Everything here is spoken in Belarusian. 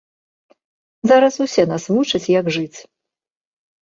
Зараз усе нас вучаць, як жыць.